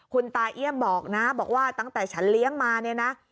คุณตาเอี่ยมบอกนะบอกว่าตั้งแต่ฉันเลี้ยงมาเนี่ยนะ